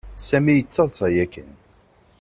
Sami yettaḍsa yakan.